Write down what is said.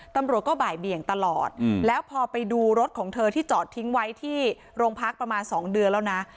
ตำรวจก็บ่ายเบี่ยงตลอดแล้วพอไปดูรถของเธอที่จอดทิ้งไว้ที่โรงพักประมาณ๒เดือนแล้วนะ